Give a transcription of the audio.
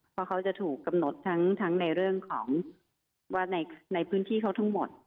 เพราะเขาจะถูกกำหนดทั้งในเรื่องของว่าในพื้นที่เขาทั้งหมด